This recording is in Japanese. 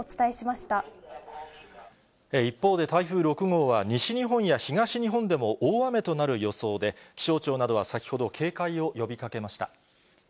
一方で台風６号は、西日本や東日本でも大雨となる予想で、気象庁などは先ほど警戒を呼びかけました。